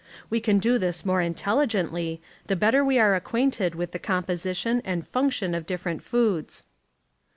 We can do this the more intelligently, the bettet we are acquainted with the composition and function of different foods.